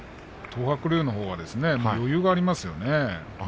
東白龍のほうは余裕がありますね。